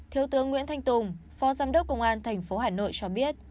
theo tướng nguyễn thanh tùng phó giám đốc công an tp hcm cho biết